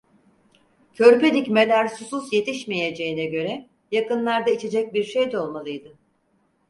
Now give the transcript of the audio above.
Körpe dikmeler susuz yetişmeyeceğine göre, yakınlarda içecek bir şey de olmalıydı…